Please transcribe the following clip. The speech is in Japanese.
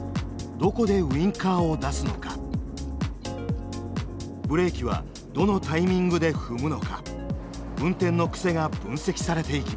どこでウインカーを出すのかブレーキはどのタイミングで踏むのか運転の癖が分析されていきます。